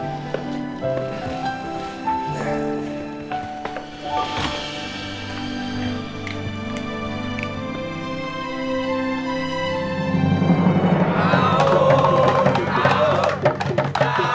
sampai jumpa lagi